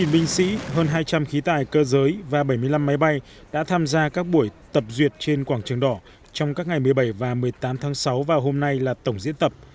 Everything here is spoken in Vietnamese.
một mươi binh sĩ hơn hai trăm linh khí tài cơ giới và bảy mươi năm máy bay đã tham gia các buổi tập duyệt trên quảng trường đỏ trong các ngày một mươi bảy và một mươi tám tháng sáu vào hôm nay là tổng diễn tập